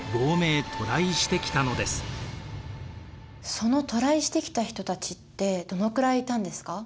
その渡来してきた人たちってどのくらいいたんですか？